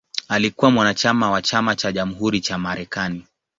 Alikuwa mwanachama wa Chama cha Jamhuri cha Marekani.